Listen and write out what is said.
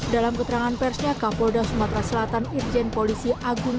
dalam keterangan persnya kapolda sumatera selatan irjen polisi agung